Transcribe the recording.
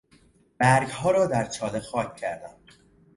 برگها را در چاله خاک کردم.